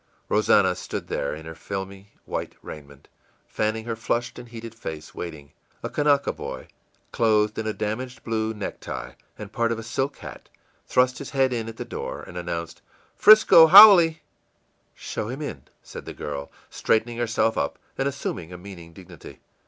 Rosannah stood there, in her filmy white raiment, fanning her flushed and heated face, waiting. A Kanaka boy, clothed in a damaged blue necktie and part of a silk hat, thrust his head in at the door, and announced, ì'Frisco haole!î ìShow him in,î said the girl, straightening herself up and assuming a meaning dignity.